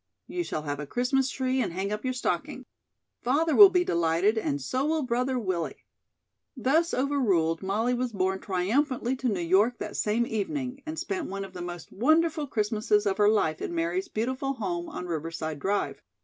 You shall have a Christmas tree and hang up your stocking. Father will be delighted and so will Brother Willie." Thus overruled, Molly was borne triumphantly to New York that same evening, and spent one of the most wonderful Christmases of her life in Mary's beautiful home on Riverside Drive.